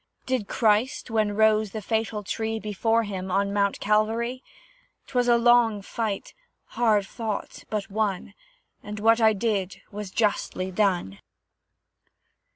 Did Christ, when rose the fatal tree Before him, on Mount Calvary? 'Twas a long fight, hard fought, but won, And what I did was justly done.